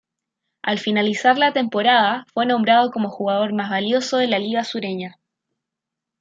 Al finalizar la temporada fue nombrado como Jugador Más Valioso de la Liga Sureña.